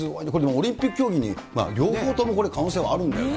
オリンピック競技に、両方ともこれ、可能性はあるんだよね。